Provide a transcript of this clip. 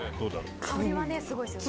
香りはねすごいですよね。